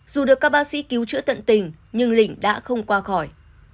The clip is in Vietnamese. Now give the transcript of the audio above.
dù được các bác sĩ cứu chữa tận tình nhưng lịnh đã không qua khỏi